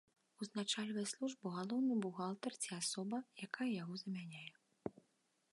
Узначальвае службу галоўны бухгалтар ці асоба, якая яго замяняе.